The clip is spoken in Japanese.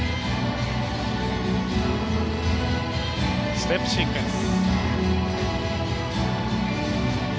ステップシークエンス。